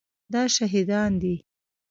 دا شهیدان دي